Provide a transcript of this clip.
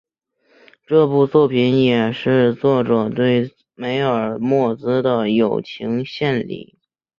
这部作品也是作者对梅尔莫兹的友情献礼。